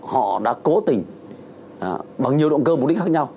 họ đã cố tình bằng nhiều động cơ mục đích khác nhau